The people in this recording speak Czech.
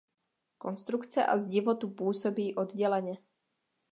Konstrukce a zdivo tu působí odděleně.